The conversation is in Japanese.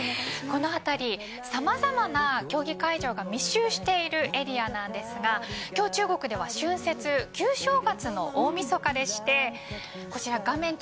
この辺り、さまざまな競技会場が密集しているエリアなんですが今日中国では春節、旧正月の大みそかでしてこちら画面